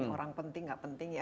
orang penting gak penting ya